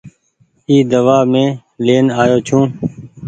اي دوآ مين لين آيو ڇون ۔